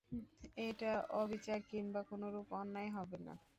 এটা অবিচার কিংবা কোনরূপ অন্যায় হবে না।